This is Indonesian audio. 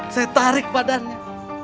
saya tarik badannya